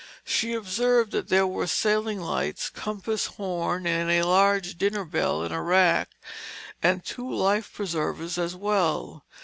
She observed that there were sailing lights, compass, horn and a large dinner bell in a rack, and two life preservers as well.